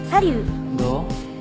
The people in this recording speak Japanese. どう？